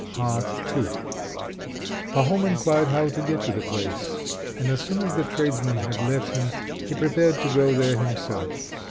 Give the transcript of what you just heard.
V Pahom inquired how to get to the place, and as soon as the tradesman had left him, he prepared to go there himself.